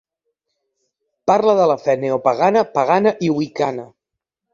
Parla de la fe neopagana, pagana i wiccana.